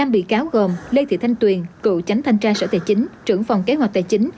năm bị cáo gồm lê thị thanh tuyền cựu tránh thanh tra sở tài chính trưởng phòng kế hoạch tài chính